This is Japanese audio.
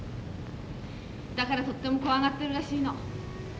だからとっても怖がってるらしいの。